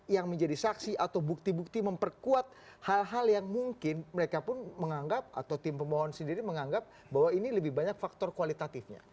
yang menjadi saksi atau bukti bukti memperkuat hal hal yang mungkin mereka pun menganggap atau tim pemohon sendiri menganggap bahwa ini lebih banyak faktor kualitatifnya